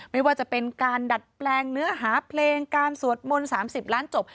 ไม่ว่าจะเป็นการดัดแปลงเนื้อหาเพลงการสวดมนต์๓๐ล้านจบ